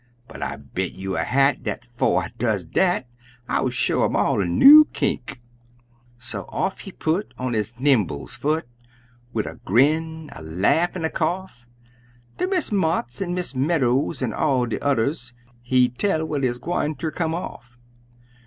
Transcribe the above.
But I bet you a hat dat 'fo' I does dat, I'll show um all a new kink!" So, off he put, on his nimbles' foot, Wid a grin, a laugh, an' a cough; Ter Miss Motts an' Miss Meadows, an' all de udders, He tell what 'uz gwineter come off!